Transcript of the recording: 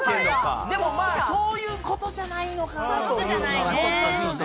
そういうことじゃないのかな？